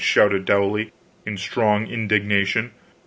shouted Dowley, in strong indignation.